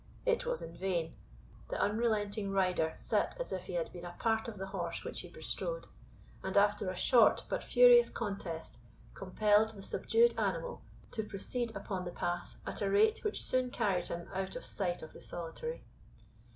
It was in vain; the unrelenting rider sate as if he had been a part of the horse which he bestrode; and, after a short but furious contest, compelled the subdued animal to proceed upon the path at a rate which soon carried him out of sight of the Solitary.